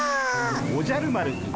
おじゃる丸くん